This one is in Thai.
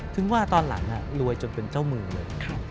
ถึงว่าตอนหลังรวยจนเป็นเจ้ามือเลย